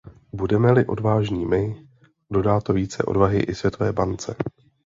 Budeme-li odvážní my, dodá to více odvahy i Světové bance.